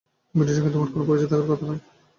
বিনুর সঙ্গে তোমার কোনো পরিচয় থাকার কথা নয়।